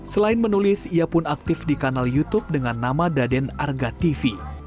selain menulis ia pun aktif di kanal youtube dengan nama daden arga tv